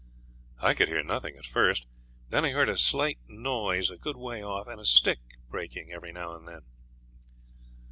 I could hear nothing at first; then I heard a slight noise a good way off, and a stick breaking every now and then.